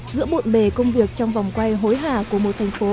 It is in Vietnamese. giữa bộn bề công việc trong vòng quay hối hạ của một thành phố